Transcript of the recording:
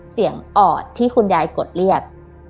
เสี่ยงอดที่คุณยายกดเลี่ยก